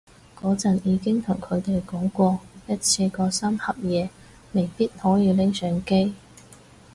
嗰陣已經同佢哋講過一次嗰三盒嘢未必可以拎上機